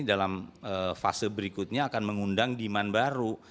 dalam fase berikutnya akan mengundang demand baru